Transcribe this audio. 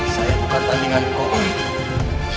saya bukan tandingan kul wanna